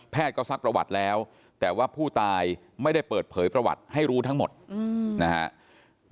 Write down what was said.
ก็ซักประวัติแล้วแต่ว่าผู้ตายไม่ได้เปิดเผยประวัติให้รู้ทั้งหมดนะครับ